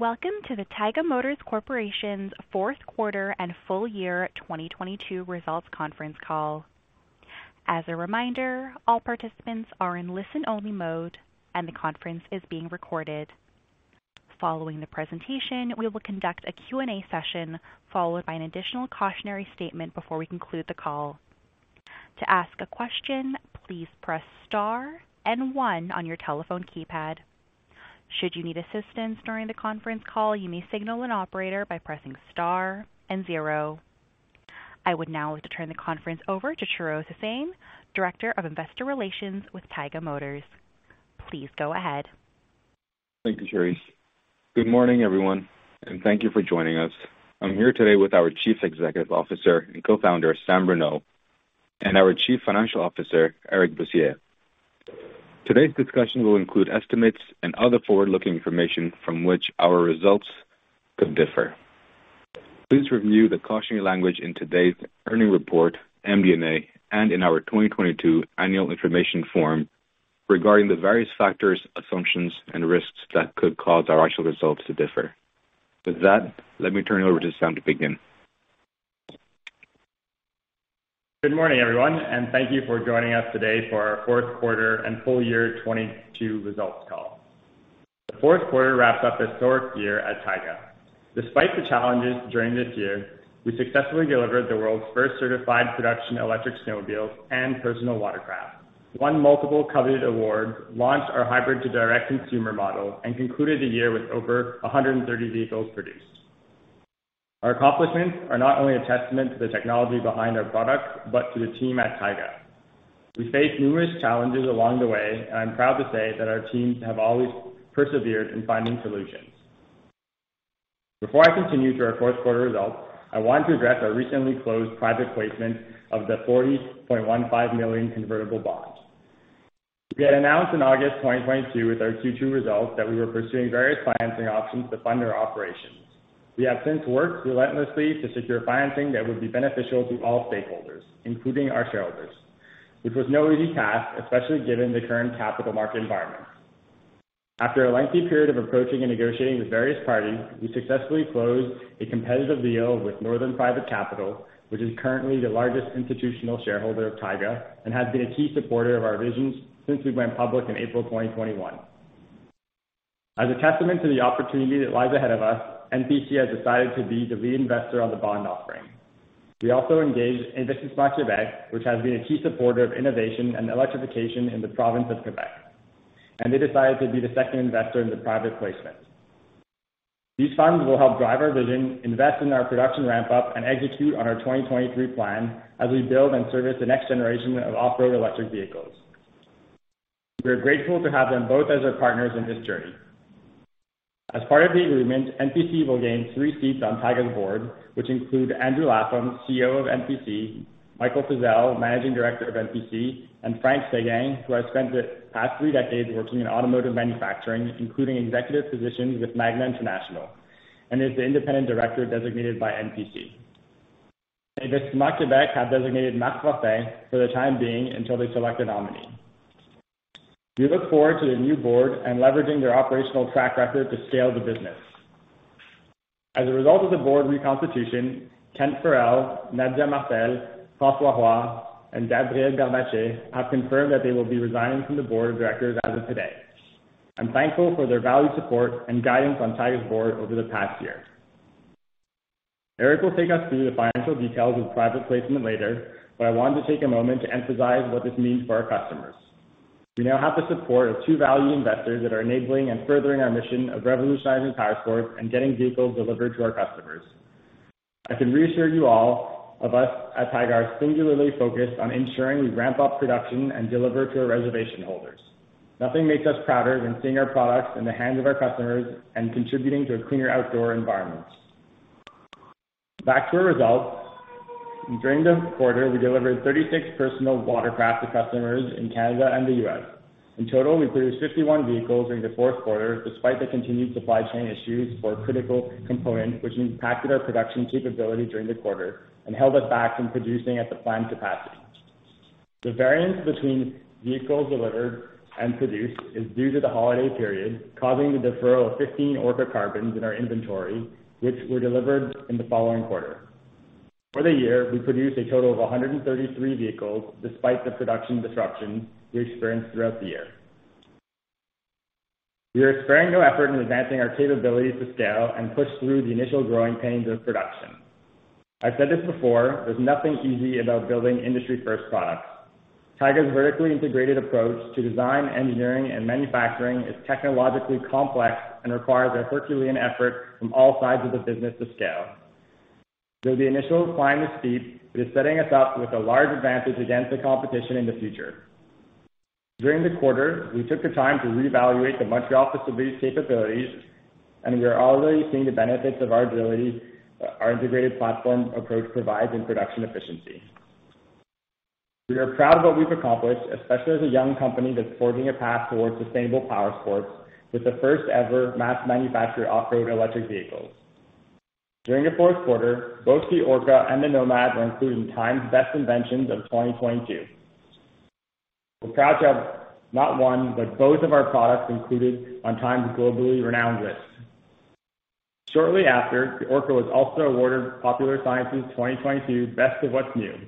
Welcome to the Taiga Motors Corporation's Fourth Quarter and Full Year 2022 Results Conference Call. As a reminder, all participants are in listen-only mode and the conference is being recorded. Following the presentation, we will conduct a Q&A session, followed by an additional cautionary statement before we conclude the call. To ask a question, please press star and one on your telephone keypad. Should you need assistance during the conference call, you may signal an operator by pressing star and zero. I would now like to turn the conference over to Shahroz Hussain, Director of Investor Relations with Taiga Motors. Please go ahead. Thank you, Cherise. Good morning, everyone, and thank you for joining us. I'm here today with our Chief Executive Officer and Co-founder, Samuel Bruneau, and our Chief Financial Officer, Eric Bussières. Today's discussion will include estimates and other forward-looking information from which our results could differ. Please review the cautionary language in today's earnings report, MD&A, and in our 2022 Annual Information Form regarding the various factors, assumptions, and risks that could cause our actual results to differ. With that, let me turn it over to Sam to begin. Good morning, everyone. Thank you for joining us today for our Fourth Quarter and Full Year 2022 Results Call. The fourth quarter wrapped up historic year at Taiga. Despite the challenges during this year, we successfully delivered the world's first certified production electric snowmobiles and personal watercraft. Won multiple coveted awards, launched our hybrid to direct consumer model, and concluded the year with over 130 vehicles produced. Our accomplishments are not only a testament to the technology behind our products, but to the team at Taiga. We faced numerous challenges along the way. I'm proud to say that our teams have always persevered in finding solutions. Before I continue to our fourth quarter results, I want to address our recently closed private placement of the 40.15 million convertible bond. We had announced in August 2022 with our Q2 results that we were pursuing various financing options to fund our operations. We have since worked relentlessly to secure financing that would be beneficial to all stakeholders, including our shareholders, which was no easy task, especially given the current capital market environment. After a lengthy period of approaching and negotiating with various parties, we successfully closed a competitive deal with Northern Private Capital, which is currently the largest institutional shareholder of Taiga and has been a key supporter of our visions since we went public in April 2021. As a testament to the opportunity that lies ahead of us, NPC has decided to be the lead investor on the bond offering. We also engaged Investissement Québec, which has been a key supporter of innovation and electrification in the province of Québec, and they decided to be the second investor in the private placement. These funds will help drive our vision, invest in our production ramp up, and execute on our 2023 plan as we build and service the next generation of off-road electric vehicles. We are grateful to have them both as our partners in this journey. As part of the agreement, NPC will gain three seats on Taiga's board, which include Andrew Lapham, CEO of NPC, Michael Frizzell, Managing Director of NPC, and Frank Séguin who has spent the past three decades working in automotive manufacturing, including executive positions with Magna International and is the independent director designated by NPC. Investissement Québec have designated Marc Fortin for the time being until they select a nominee. We look forward to the new board and leveraging their operational track record to scale the business. As a result of the board reconstitution, Kent Farrell, Nadia Martel, François R. Roy, and Gabriel Bernatchez have confirmed that they will be resigning from the board of directors as of today. I'm thankful for their valued support and guidance on Taiga's board over the past year. Eric will take us through the financial details of the private placement later, but I wanted to take a moment to emphasize what this means for our customers. We now have the support of two valued investors that are enabling and furthering our mission of revolutionizing powersports and getting vehicles delivered to our customers. I can reassure you all of us at Taiga are singularly focused on ensuring we ramp up production and deliver to our reservation holders. Nothing makes us prouder than seeing our products in the hands of our customers and contributing to a cleaner outdoor environment. Back to our results. During the quarter, we delivered 36 personal watercraft to customers in Canada and the US. In total, we produced 51 vehicles during the fourth quarter despite the continued supply chain issues for a critical component which impacted our production capability during the quarter and held us back from producing at the planned capacity. The variance between vehicles delivered and produced is due to the holiday period, causing the deferral of 15 Orca Carbon in our inventory, which were delivered in the following quarter. For the year, we produced a total of 133 vehicles despite the production disruptions we experienced throughout the year. We are sparing no effort in advancing our capabilities to scale and push through the initial growing pains of production. I've said this before, there's nothing easy about building industry-first products. Taiga's vertically integrated approach to design, engineering and manufacturing is technologically complex and requires a herculean effort from all sides of the business to scale. Though the initial climb is steep, it is setting us up with a large advantage against the competition in the future. During the quarter, we took the time to reevaluate the Montreal facility's capabilities, and we are already seeing the benefits of our integrated platform approach provides in production efficiency. We are proud of what we've accomplished, especially as a young company that's forging a path towards sustainable powersports with the first ever mass manufacturer off-road electric vehicles. During the fourth quarter, both the Orca and the Nomad were included in TIME's Best Inventions of 2022. We're proud to have not one, but both of our products included on TIME's globally renowned list. Shortly after, the Orca was also awarded Popular Science's 2022 Best of What's New.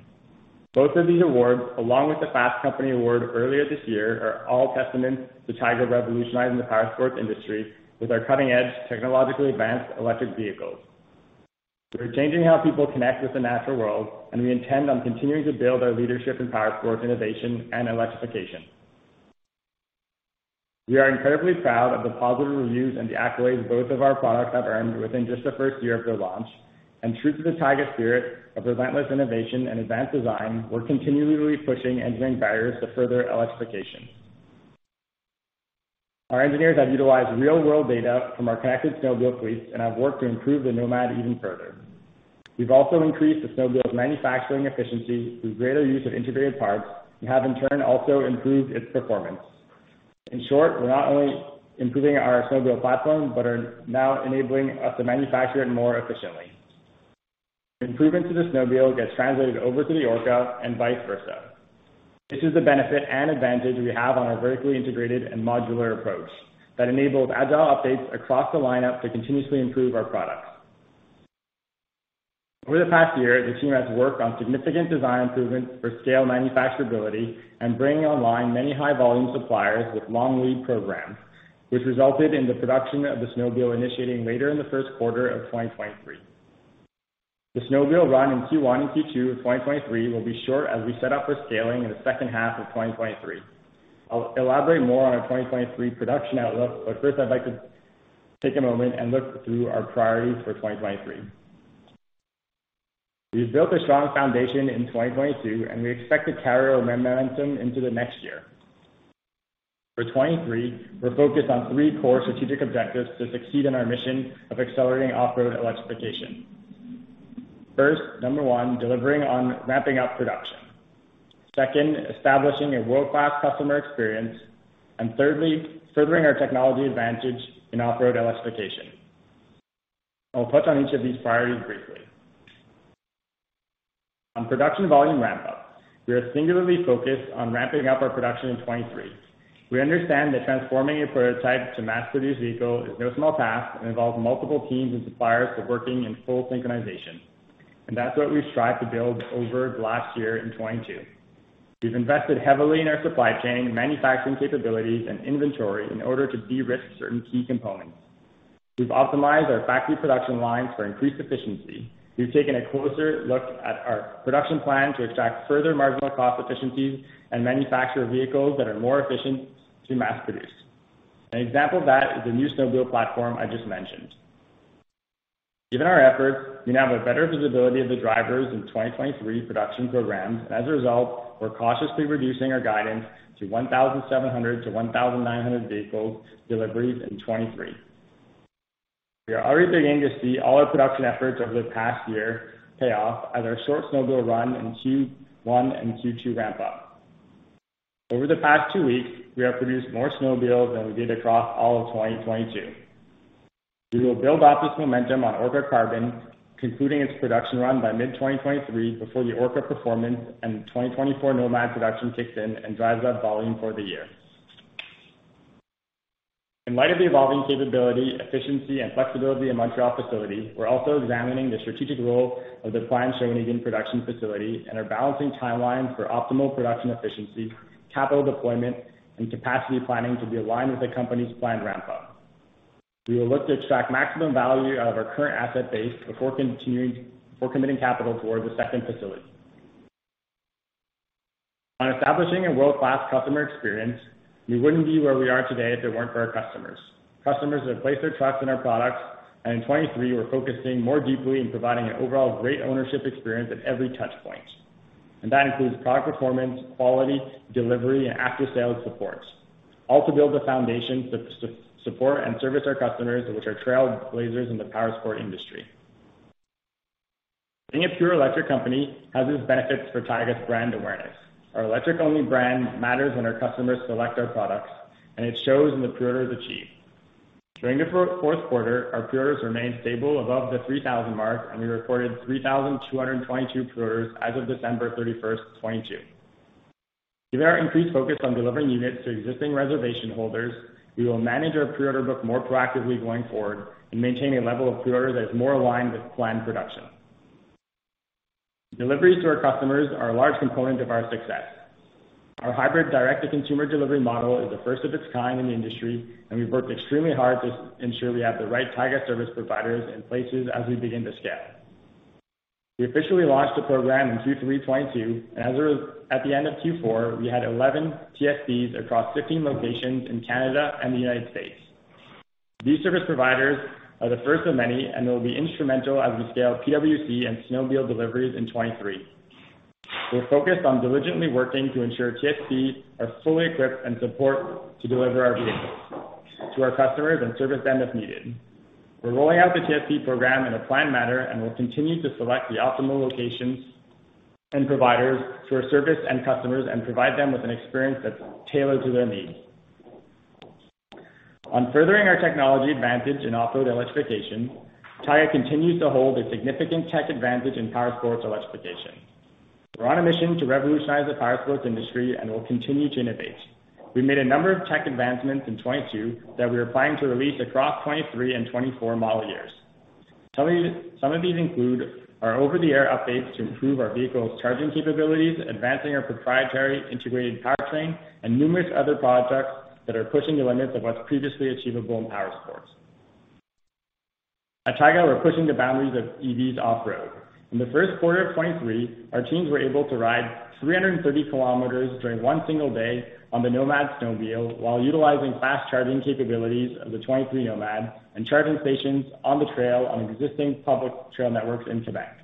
Both of these awards, along with the Fast Company Award earlier this year, are all testament to Taiga revolutionizing the powersports industry with our cutting-edge, technologically advanced electric vehicles. We're changing how people connect with the natural world. We intend on continuing to build our leadership in powersport, innovation, and electrification. We are incredibly proud of the positive reviews and the accolades both of our products have earned within just the first year of their launch. True to the Taiga spirit of relentless innovation and advanced design, we're continually pushing engineering barriers to further electrification. Our engineers have utilized real-world data from our connected snowmobile fleets, and have worked to improve the Nomad even further. We've also increased the snowmobile's manufacturing efficiency through greater use of integrated parts, and have in turn also improved its performance. In short, we're not only improving our snowmobile platform, but are now enabling us to manufacture it more efficiently. Improvements to the snowmobile gets translated over to the Orca and vice versa. This is the benefit and advantage we have on our vertically integrated and modular approach that enables agile updates across the lineup to continuously improve our products. Over the past year, the team has worked on significant design improvements for scale manufacturability and bringing online many high volume suppliers with long lead programs, which resulted in the production of the snowmobile initiating later in the first quarter of 2023. The snowmobile run in Q1 and Q2 of 2023 will be short as we set up for scaling in the second half of 2023. I'll elaborate more on our 2023 production outlook. First, I'd like to take a moment and look through our priorities for 2023. We've built a strong foundation in 2022. We expect to carry our momentum into the next year. For 2023, we're focused on three core strategic objectives to succeed in our mission of accelerating off-road electrification. First, number one, delivering on ramping up production. Second, establishing a world-class customer experience. Thirdly, furthering our technology advantage in off-road electrification. I'll touch on each of these priorities briefly. On production volume ramp-up, we are singularly focused on ramping up our production in 2023. We understand that transforming a prototype to mass-produced vehicle is no small task and involves multiple teams and suppliers for working in full synchronization. That's what we've strived to build over last year in 2022. We've invested heavily in our supply chain manufacturing capabilities and inventory in order to de-risk certain key components. We've optimized our factory production lines for increased efficiency. We've taken a closer look at our production plan to extract further marginal cost efficiencies and manufacture vehicles that are more efficient to mass produce. An example of that is the new snowmobile platform I just mentioned. Given our efforts, we now have a better visibility of the drivers in 2023 production programs. As a result, we're cautiously reducing our guidance to 1,700-1,900 vehicle deliveries in 2023. We are already beginning to see all our production efforts over the past year pay off as our short snowmobile run in Q1 and Q2 ramp up. Over the past two weeks, we have produced more snowmobiles than we did across all of 2022. We will build up this momentum on Orca Carbon, concluding its production run by mid-2023 before the Orca Performance and the 2024 Nomad production kicks in and drives up volume for the year. In light of the evolving capability, efficiency, and flexibility in Montreal facility, we're also examining the strategic role of the planned Shawinigan production facility and are balancing timelines for optimal production efficiency, capital deployment, and capacity planning to be aligned with the company's planned ramp-up. We will look to extract maximum value out of our current asset base before committing capital towards a second facility. On establishing a world-class customer experience, we wouldn't be where we are today if it weren't for our customers. Customers have placed their trust in our products, and in 2023, we're focusing more deeply in providing an overall great ownership experience at every touch point. That includes product performance, quality, delivery, and after-sales support. All to build a foundation to support and service our customers, which are trailblazers in the powersport industry. Being a pure electric company has its benefits for Taiga's brand awareness. Our electric-only brand matters when our customers select our products, and it shows in the preorders achieved. During the fourth quarter, our preorders remained stable above the 3,000 mark, and we recorded 3,222 preorders as of December 31st, 2022. Given our increased focus on delivering units to existing reservation holders, we will manage our preorder book more proactively going forward and maintain a level of preorder that is more aligned with planned production. Deliveries to our customers are a large component of our success. Our hybrid direct-to-consumer delivery model is the first of its kind in the industry. We've worked extremely hard to ensure we have the right Taiga Service Providers in places as we begin to scale. We officially launched the program in Q3 2022. At the end of Q4, we had 11 TSPs across 15 locations in Canada and the United States. These service providers are the first of many. They'll be instrumental as we scale PWC and snowmobile deliveries in 2023. We're focused on diligently working to ensure TSPs are fully equipped and support to deliver our vehicles to our customers and service them if needed. We're rolling out the TSP program in a planned manner and will continue to select the optimal locations and providers to our service and customers and provide them with an experience that's tailored to their needs. Furthering our technology advantage in off-road electrification, Taiga continues to hold a significant tech advantage in powersports electrification. We're on a mission to revolutionize the powersports industry, we'll continue to innovate. We made a number of tech advancements in 2022 that we are planning to release across 2023 and 2024 model years. Some of these include our over-the-air updates to improve our vehicles' charging capabilities, advancing our proprietary integrated powertrain, and numerous other projects that are pushing the limits of what's previously achievable in powersports. At Taiga, we're pushing the boundaries of EVs off-road. In the first quarter of 2023 our teams were able to ride 330 km during 1 single day on the Nomad Snowmobile while utilizing fast charging capabilities of the 2023 Nomad and charging stations on the trail on existing public trail networks in Quebec.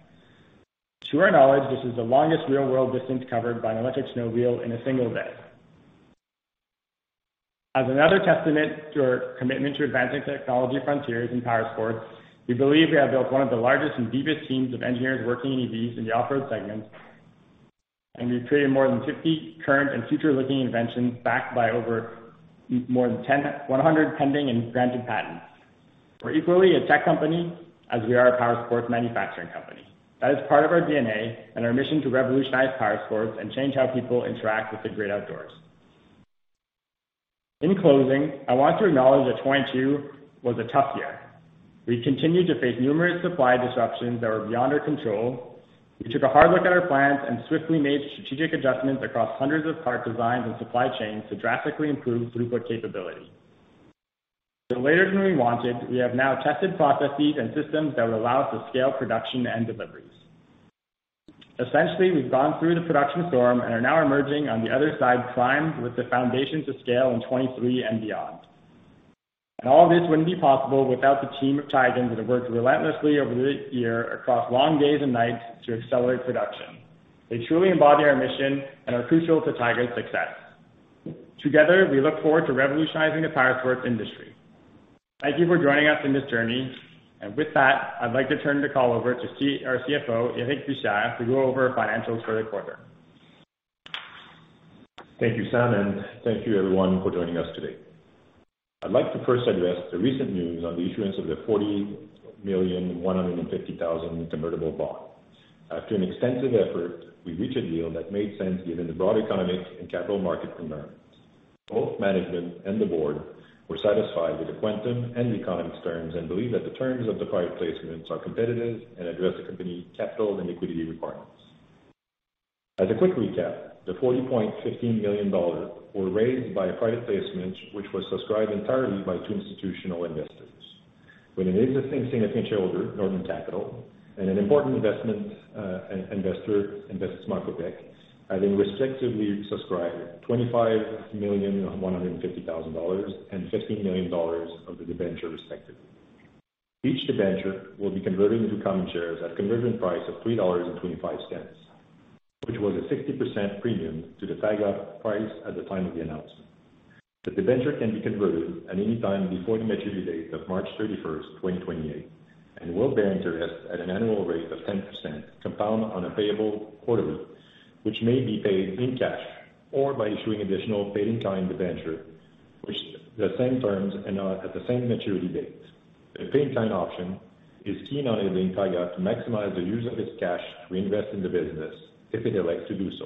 To our knowledge, this is the longest real-world distance covered by an electric snowmobile in a single day. As another testament to our commitment to advancing technology frontiers in powersports, we believe we have built one of the largest and deepest teams of engineers working in EVs in the off-road segment, and we've created more than 50 current and future looking inventions backed by over 100 pending and granted patents. We're equally a tech company as we are a powersports manufacturing company. That is part of our DNA and our mission to revolutionize powersports and change how people interact with the great outdoors. In closing, I want to acknowledge that 2022 was a tough year. We continued to face numerous supply disruptions that were beyond our control. We took a hard look at our plans and swiftly made strategic adjustments across hundreds of part designs and supply chains to drastically improve throughput capability. The later than we wanted, we have now tested processes and systems that will allow us to scale production and deliveries. Essentially, we've gone through the production storm and are now emerging on the other side primed with the foundations of scale in 2023 and beyond. All of this wouldn't be possible without the team of Taigans that have worked relentlessly over the year across long days and nights to accelerate production. They truly embody our mission and are crucial to Taiga's success. Together, we look forward to revolutionizing the powersports industry. Thank you for joining us in this journey. With that, I'd like to turn the call over to our CFO, Eric Bussières, to go over financials for the quarter. Thank you, Sam, thank you everyone for joining us today. I'd like to first address the recent news on the issuance of the 40,150,000 convertible bond. After an extensive effort, we reached a deal that made sense given the broad economic and capital market environments. Both management and the board were satisfied with the quantum and the economics terms, and believe that the terms of the private placements are competitive and address the company capital and liquidity requirements. As a quick recap, the 40.15 million dollars were raised by a private placement which was subscribed entirely by two institutional investors. With an existing significant shareholder, Northern Private Capital, and an important investor, Investissement Québec, having respectively subscribed 25,150,000 dollars and 15 million dollars of the debenture respectively. Each debenture will be converted into common shares at conversion price of 3.25 dollars, which was a 60% premium to the Taiga price at the time of the announcement. The debenture can be converted at any time before the maturity date of March 31st, 2028, and will bear interest at an annual rate of 10%, compound on a payable quarterly, which may be paid in cash or by issuing additional paid-in-kind debenture which the same terms and at the same maturity date. The paid time option is key on enabling Taiga to maximize the use of its cash to reinvest in the business if it elects to do so.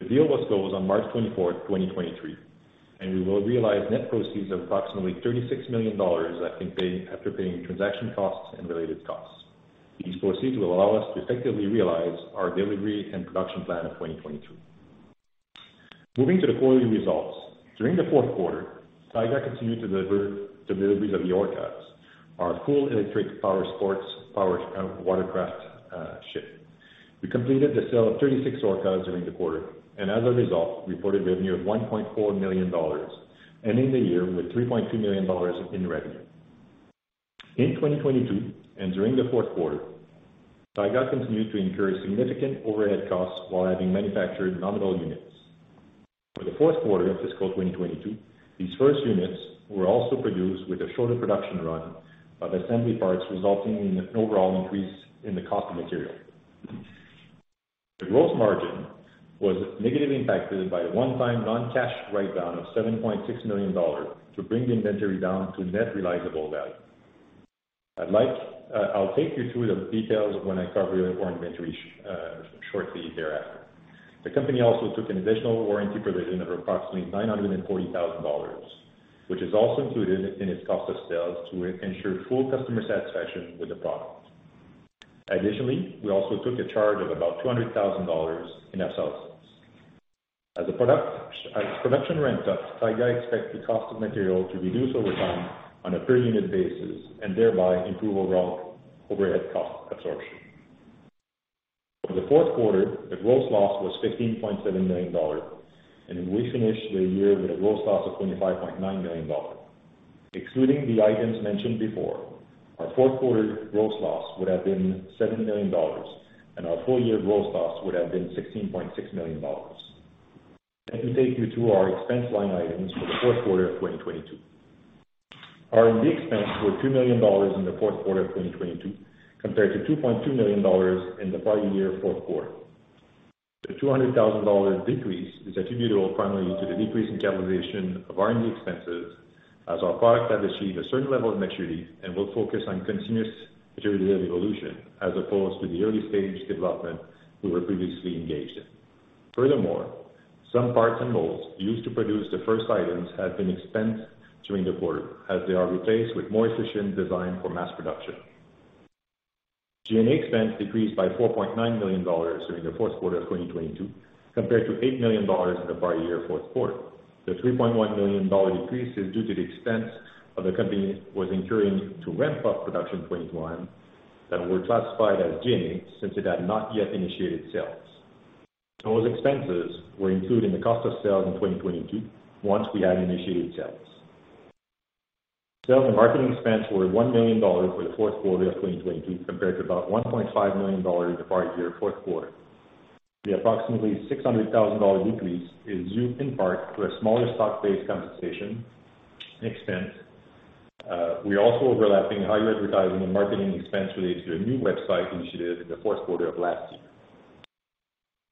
The deal was closed on March 24th, 2023, and we will realize net proceeds of approximately 36 million dollars after paying transaction costs and related costs. These proceeds will allow us to effectively realize our delivery and production plan of 2022. Moving to the quarterly results. During the fourth quarter, Taiga continued to deliver deliveries of the Orcas, our full electric powersports, power watercraft ship. We completed the sale of 36 Orcas during the quarter, and as a result, reported revenue of 1.4 million dollars, ending the year with 3.2 million dollars in revenue. In 2022 and during the fourth quarter, Taiga continued to incur significant overhead costs while having manufactured nominal units. For the fourth quarter of fiscal 2022, these first units were also produced with a shorter production run of assembly parts, resulting in an overall increase in the cost of material. The gross margin was negatively impacted by a one-time non-cash write-down of 7.6 million dollars to bring the inventory down to net realizable value. I'd like, I'll take you through the details when I cover your inventory shortly thereafter. The company also took an additional warranty provision of approximately 940,000 dollars, which is also included in its cost of sales to ensure full customer satisfaction with the product. We also took a charge of about 200,000 dollars in SOs. As production ramps up, Taiga expects the cost of material to reduce over time on a per unit basis and thereby improve overall overhead cost absorption. For the fourth quarter, the gross loss was 15.7 million dollars, and we finished the year with a gross loss of 25.9 million dollars. Excluding the items mentioned before, our fourth quarter gross loss would have been 7 million dollars, and our full year gross loss would have been 16.6 million dollars. Let me take you through our expense line items for the fourth quarter of 2022. R&D expenses were 2 million dollars in the fourth quarter of 2022, compared to 2.2 million dollars in the prior year fourth quarter. The 200,000 dollars decrease is attributable primarily to the decrease in capitalization of R&D expenses as our product has achieved a certain level of maturity and will focus on continuous material evolution as opposed to the early stage development we were previously engaged in. Furthermore, some parts and molds used to produce the first items have been expensed during the quarter as they are replaced with more efficient design for mass production. G&A expense decreased by 4.9 million dollars during the fourth quarter of 2022, compared to 8 million dollars in the prior year fourth quarter. The 3.1 million dollar decrease is due to the expense the company was incurring to ramp up production in 2021 that were classified as G&A since it had not yet initiated sales. Those expenses were included in the cost of sales in 2022 once we had initiated sales. Sales and marketing expense were 1 million dollars for the fourth quarter of 2022, compared to about 1.5 million dollars in the prior year fourth quarter. The approximately 600,000 dollar decrease is due in part to a smaller stock-based compensation expense. We also overlapping higher advertising and marketing expense related to a new website initiative in the fourth quarter of last year.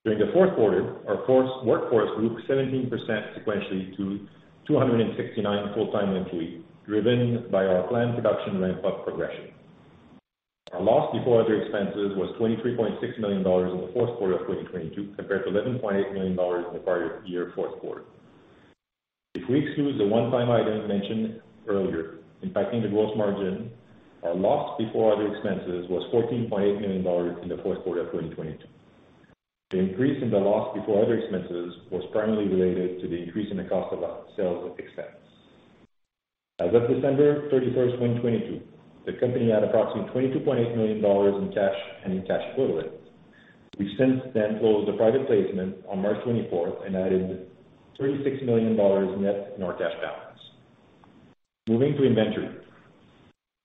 During the fourth quarter, our workforce grew 17% sequentially to 269 full-time employees, driven by our planned production ramp up progression. Our loss before other expenses was 23.6 million dollars in the fourth quarter of 2022, compared to 11.8 million dollars in the prior year fourth quarter. If we exclude the one-time item mentioned earlier impacting the gross margin, our loss before other expenses was 14.8 million dollars in the fourth quarter of 2022. The increase in the loss before other expenses was primarily related to the increase in the cost of sales expense. As of December 31, 2022, the company had approximately 22.8 million dollars in cash and in cash equivalents. We've since then closed a private placement on March 24 and added 36 million dollars net in our cash balance. Moving to inventory.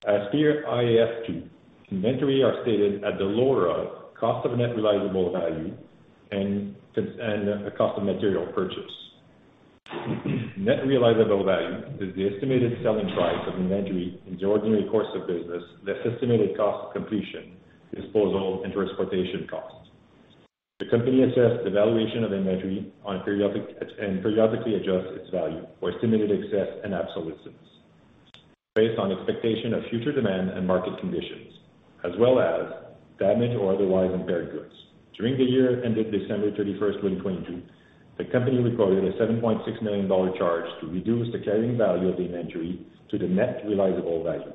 As per IAS 2, inventory are stated at the lower of cost of net realizable value and the cost of material purchase. Net realizable value is the estimated selling price of inventory in the ordinary course of business, less estimated cost of completion, disposal, and transportation costs. The company assessed the valuation of inventory periodically adjusts its value for estimated excess and obsolescence based on expectation of future demand and market conditions, as well as damaged or otherwise impaired goods. During the year ended December 31, 2022, the company recorded a 7.6 million dollar charge to reduce the carrying value of the inventory to the net realizable value,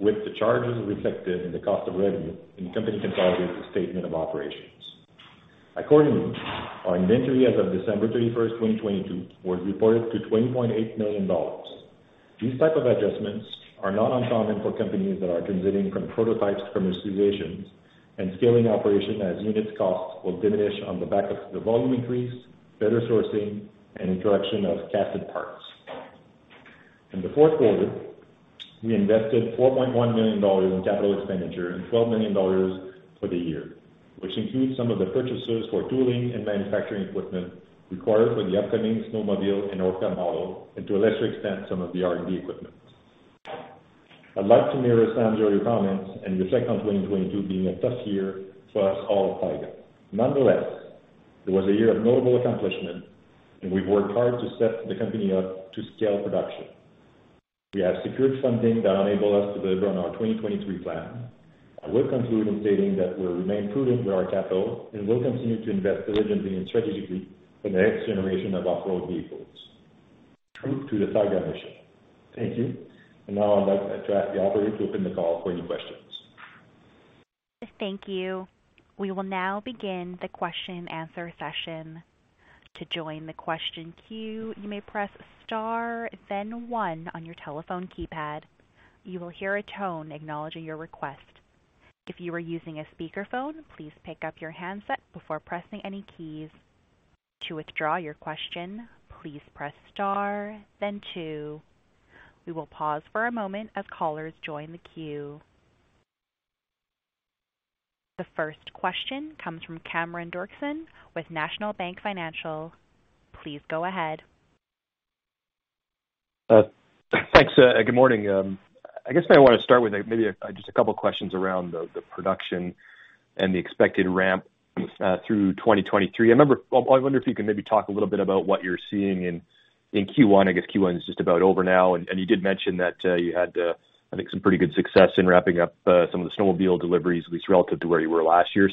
with the charges reflected in the cost of revenue in the company consolidated statement of operations. Accordingly, our inventory as of December 31, 2022 was reported to 20.8 million dollars. These type of adjustments are not uncommon for companies that are transitioning from prototypes to commercializations and scaling operation as units costs will diminish on the back of the volume increase, better sourcing, and introduction of casted parts. In the fourth quarter, we invested 4.1 million dollars in capital expenditure and 12 million dollars for the year, which includes some of the purchases for tooling and manufacturing equipment required for the upcoming snowmobile and Orca model, and to a lesser extent, some of the R&D equipment. I'd like to mirror Sam's comments and reflect on 2022 being a tough year for us all at Taiga. Nonetheless, it was a year of notable accomplishment, and we've worked hard to set the company up to scale production. We have secured funding that will enable us to deliver on our 2023 plan. I will conclude in stating that we remain prudent with our capital and will continue to invest diligently and strategically for the next generation of off-road vehicles. True to the Taiga mission. Thank you. Now I'd like to ask the operator to open the call for any questions. Thank you. We will now begin the question and answer session. To join the question queue, you may press star then one on your telephone keypad. You will hear a tone acknowledging your request. If you are using a speakerphone, please pick up your handset before pressing any keys. To withdraw your question, please press star then two. We will pause for a moment as callers join the queue. The first question comes from Cameron Doerksen with National Bank Financial. Please go ahead. Thanks. Good morning. I guess I want to start with maybe just a couple of questions around the production and the expected ramp through 2023. I wonder if you can maybe talk a little bit about what you're seeing in Q1. I guess Q1 is just about over now, and you did mention that you had I think some pretty good success in ramping up some of the snowmobile deliveries, at least relative to where you were last year.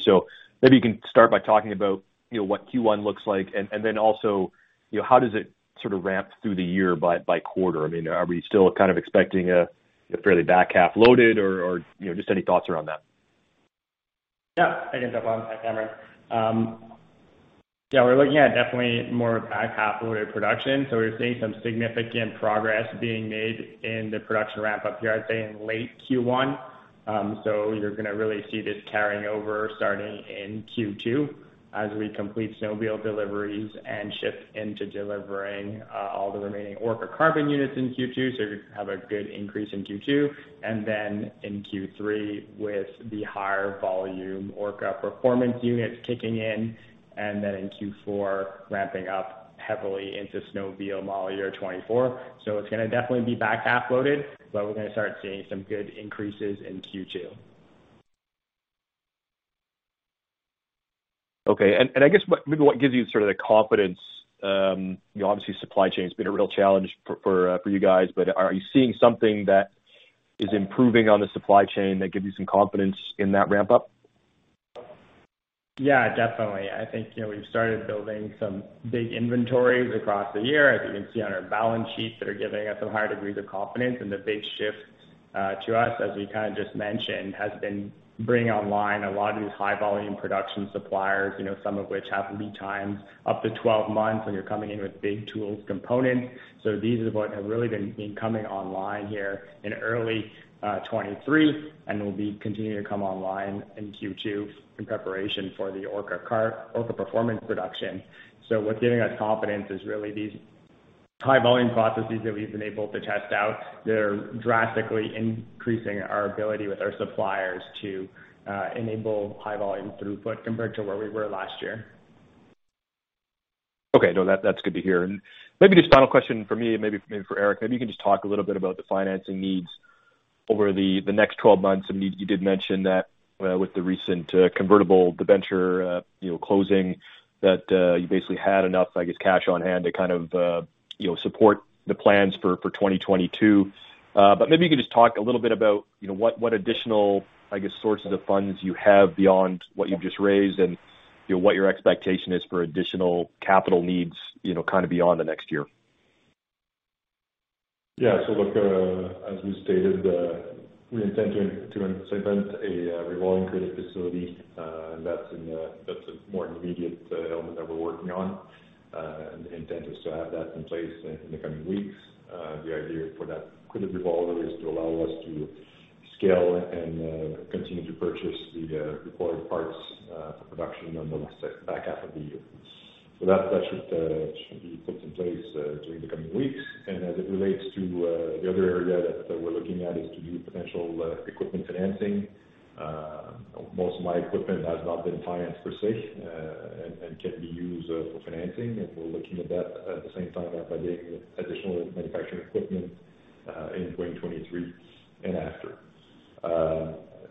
Maybe you can start by talking about, you know, what Q1 looks like and then also, you know, how does it sort of ramp through the year by quarter? I mean, are we still kind of expecting a fairly back half loaded or, you know, just any thoughts around that? Yeah, I can jump on that, Cameron. Yeah, we're looking at definitely more back half loaded production. We're seeing some significant progress being made in the production ramp up here, I'd say in late Q1. You're gonna really see this carrying over starting in Q2 as we complete snowmobile deliveries and ship into delivering all the remaining Orca Carbon units in Q2. You're gonna have a good increase in Q2, and then in Q3 with the higher volume Orca Performance units kicking in, and then in Q4, ramping up. Heavily into Snowmobile Model Year 2024. It's going to definitely be back half loaded. We're going to start seeing some good increases in Q2. Okay. I guess what, maybe what gives you sort of the confidence, you know, obviously supply chain has been a real challenge for you guys, but are you seeing something that is improving on the supply chain that gives you some confidence in that ramp up? Yeah, definitely. I think, you know, we've started building some big inventories across the year, as you can see on our balance sheets, that are giving us a higher degree of confidence. The big shift to us, as we kind of just mentioned, has been bringing online a lot of these high volume production suppliers, you know, some of which happen to be times up to 12 months when you're coming in with big tools components. These are what have really been coming online here in early 2023 and will be continuing to come online in Q2 in preparation for the Orca car, Orca Performance production. What's giving us confidence is really these high volume processes that we've been able to test out. They're drastically increasing our ability with our suppliers to enable high volume throughput compared to where we were last year. Okay. No, that's good to hear. Maybe just final question from me, maybe for Eric, maybe you can just talk a little bit about the financing needs over the 12 months. I mean, you did mention that, with the recent convertible debenture, you know, closing that, you basically had enough, I guess, cash on hand to kind of, you know, support the plans for 2022. Maybe you could just talk a little bit about, you know, what additional, I guess, sources of funds you have beyond what you've just raised and, you know, what your expectation is for additional capital needs, you know, kind of beyond the next year. Yeah. Look, as we stated, we intend to implement a revolving credit facility, and that's a more immediate element that we're working on. The intent is to have that in place in the coming weeks. The idea for that credit revolver is to allow us to scale and continue to purchase the required parts for production on the last back half of the year. That should be put in place during the coming weeks. As it relates to the other area that we're looking at is to do potential equipment financing. Most of my equipment has not been financed per se, and can be used for financing, and we're looking at that at the same time as we're getting additional manufacturing equipment in 2023 and after.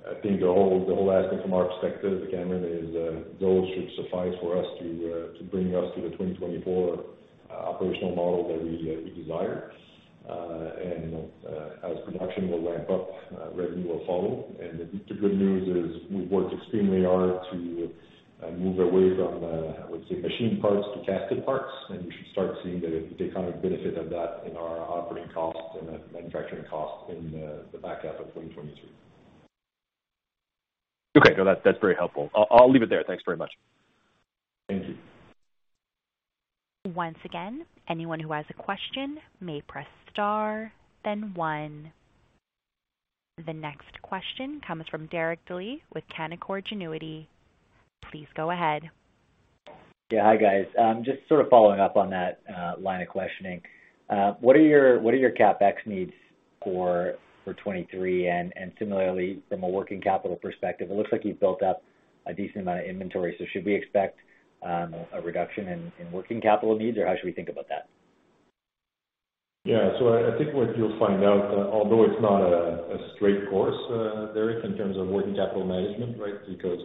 I think the whole aspect from our perspective, Cameron, is those should suffice for us to bring us to the 2024 operational model that we desire. As production will ramp up, revenue will follow. The good news is we've worked extremely hard to move away from, I would say machine parts to casted parts, and we should start seeing the economic benefit of that in our operating costs and the manufacturing costs in the back half of 2023. Okay. No, that's very helpful. I'll leave it there. Thanks very much. Thank you. Once again, anyone who has a question may press star then one. The next question comes from Derek Dley with Canaccord Genuity. Please go ahead. Yeah. Hi, guys. Just sort of following up on that line of questioning. What are your, what are your CapEx needs for 2023? Similarly from a working capital perspective, it looks like you've built up a decent amount of inventory. Should we expect a reduction in working capital needs, or how should we think about that? I think what you'll find out, although it's not a straight course, Derek, in terms of working capital management, right? Because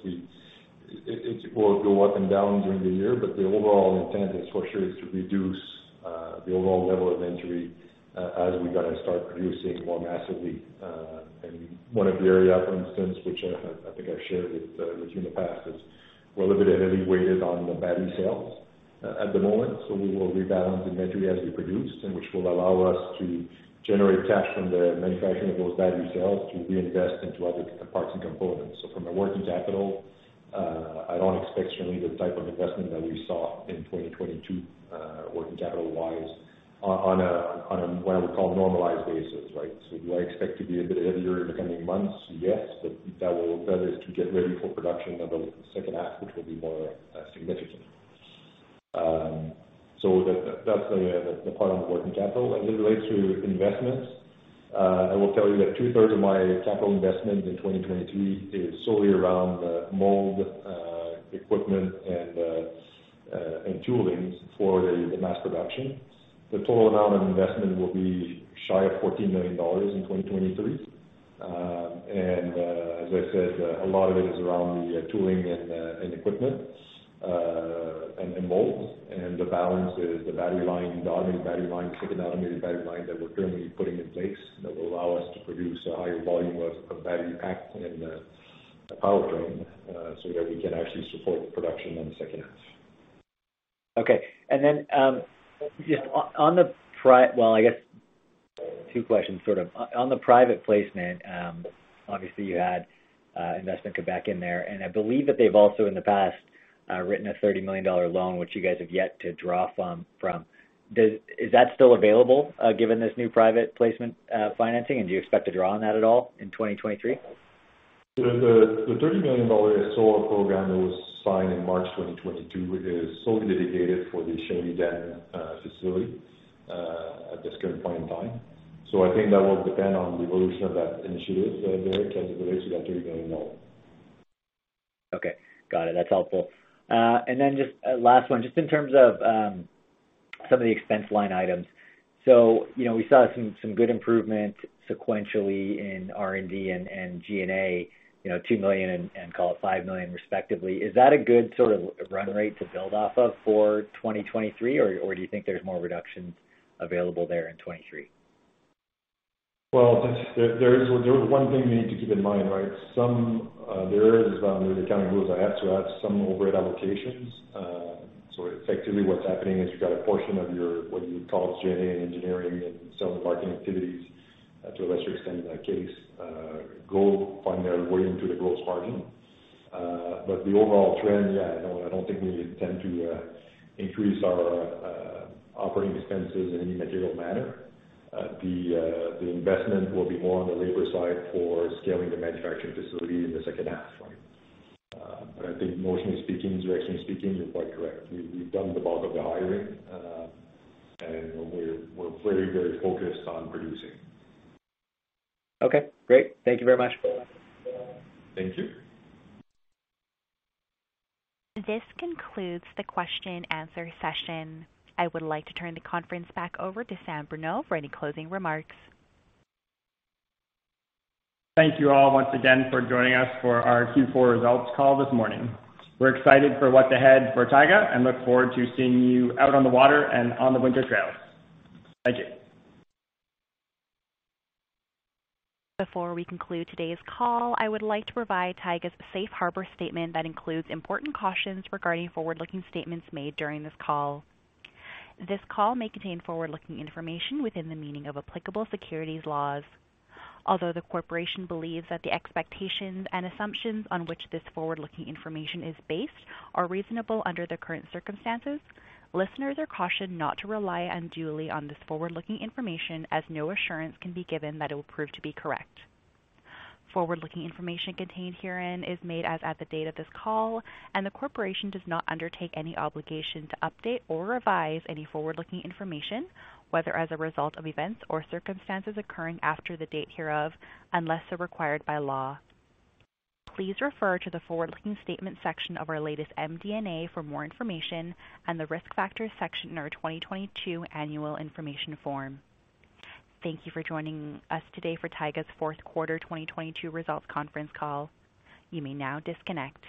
it will go up and down during the year, but the overall intent is for sure to reduce the overall level of inventory as we kind of start producing more massively. One of the area, for instance, which I think I've shared with you in the past, is we're a little bit heavily weighted on the battery cells at the moment, so we will rebalance inventory as we produce, and which will allow us to generate cash from the manufacturing of those battery cells to reinvest into other parts and components. From a working capital, I don't expect certainly the type of investment that we saw in 2022, working capital-wise on a, on a, what I would call normalized basis. Do I expect to be a bit heavier in the coming months? Yes. That is to get ready for production on the second half, which will be more significant. That, that's the part on the working capital. As it relates to investments, I will tell you that 2/3 of my capital investment in 2023 is solely around the mold, equipment and toolings for the mass production. The total amount of investment will be shy of 14 million dollars in 2023. As I said, a lot of it is around the tooling and equipment and molds. The balance is the battery line, the automated battery line, second automated battery line that we're currently putting in place that will allow us to produce a higher volume of battery packs and the powertrain so that we can actually support production in the second half. Okay. Just on the Well, I guess two questions sort of. On the private placement, obviously you had Investissement Québec in there, and I believe that they've also in the past written a 30 million dollar loan which you guys have yet to draw from. Is that still available, given this new private placement financing, and do you expect to draw on that at all in 2023? The 30 million dollar solar program that was signed in March 2022 is solely dedicated for the Shawinigan facility at this current point in time. I think that will depend on the evolution of that initiative, Derek, as it relates to that CAD 30 million. Okay. Got it. That's helpful. Just a last one, just in terms of some of the expense line items. You know, we saw some good improvement sequentially in R&D and G&A, you know, 2 million and call it 5 million respectively. Is that a good sort of run rate to build off of for 2023, or do you think there's more reductions available there in 2023? There is one thing we need to keep in mind, right? There is under the accounting rules, I have to add some overhead allocations. Effectively what's happening is you've got a portion of your, what you would call G&A and engineering and sales and marketing activities, to a lesser extent in that case, go find their way into the gross margin. The overall trend, yeah, no, I don't think we intend to increase our operating expenses in any material manner. The investment will be more on the labor side for scaling the manufacturing facility in the second half. I think mostly speaking, directionally speaking, you're quite correct. We've done the bulk of the hiring, we're very, very focused on producing. Okay, great. Thank you very much. Thank you. This concludes the question and answer session. I would like to turn the conference back over to Samuel Bruneau for any closing remarks. Thank you all once again for joining us for our Q4 results call this morning. We're excited for what's ahead for Taiga and look forward to seeing you out on the water and on the winter trails. Thank you. Before we conclude today's call, I would like to provide Taiga's Safe Harbor statement that includes important cautions regarding forward-looking statements made during this call. This call may contain forward-looking information within the meaning of applicable securities laws. Although the corporation believes that the expectations and assumptions on which this forward-looking information is based are reasonable under the current circumstances, listeners are cautioned not to rely unduly on this forward-looking information, as no assurance can be given that it will prove to be correct. Forward-looking information contained herein is made as at the date of this call, and the corporation does not undertake any obligation to update or revise any forward-looking information, whether as a result of events or circumstances occurring after the date hereof unless they're required by law. Please refer to the forward-looking statement section of our latest MD&A for more information and the Risk Factors section in our 2022 Annual Information Form. Thank you for joining us today for Taiga's fourth quarter 2022 results conference call. You may now disconnect.